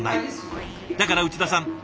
だから内田さん